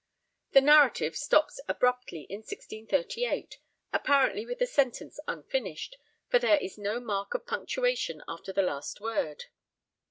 The narrative stops abruptly in 1638, apparently with the sentence unfinished, for there is no mark of punctuation after the last word.